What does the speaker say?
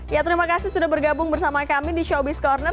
ya terima kasih sudah bergabung bersama kami di showbiz corner